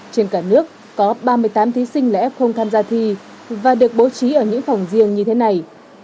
trên cả nước có ba mươi tám thí sinh là f không tham gia thi và được bố trí ở những phòng riêng như thế này